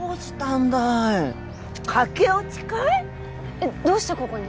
えっ？どうしてここに？